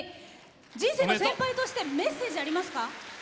人生の先輩としてメッセージありますか？